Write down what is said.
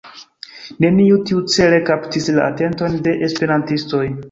Neniu tiucele kaptis la atenton de esperantistoj.